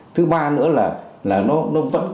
thứ ba nữa là nó vẫn